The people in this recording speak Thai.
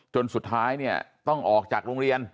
จนสุดท้ายเนี่ยต้องออกจากโรงเรียน